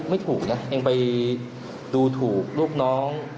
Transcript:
ไม่ถูกนะยังไปดูถูกลูกน้อง